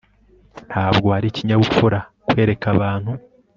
Ntabwo ari ikinyabupfura kwereka abantu